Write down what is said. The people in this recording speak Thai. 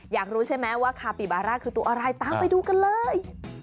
อยากรู้ใช่ไหมว่าคาปิบาร่าคือตัวอะไรตามไปดูกันเลย